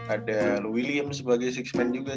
ada william sebagai six man juga